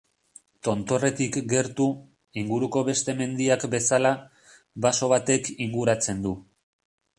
Tontorretik gertu, inguruko beste mendiak bezala, baso batek inguratzen du.